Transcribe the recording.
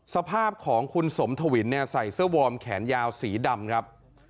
สภาพของคุณสมทวินเนี่ยใส่เสื้อวอร์มแขนยาวสีดำครับ